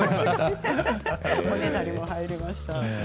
おねだりも入りました。